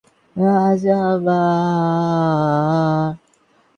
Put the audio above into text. সরকারের এ উদ্যোগ দেশে পরিবেশের ভারসাম্য বজায় রাখতে গুরুত্বপূর্ণ ভূমিকা পালন করবে।